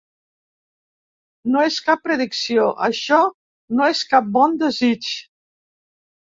No és cap predicció, això, no és cap bon desig.